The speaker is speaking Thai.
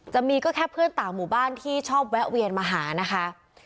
จะมีก็แค่เพื่อนต่างหมู่บ้านที่ชอบแวะเวียนมาหานะคะ